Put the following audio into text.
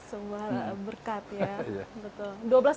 sebuah berkat ya